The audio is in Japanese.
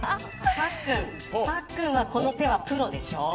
パックンはこの手はプロでしょ。